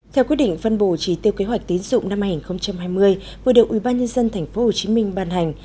theo quyết định phân bổ trí tiêu kế hoạch tín dụng năm hai nghìn hai mươi vừa được ubnd tp hcm ban hành